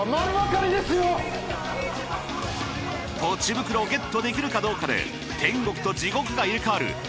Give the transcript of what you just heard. ポチ袋をゲットできるかどうかで天国と地獄が入れ替わる